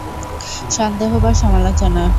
সন্দেহ বা সমালোচনা।